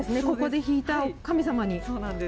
ここで引いた神様に。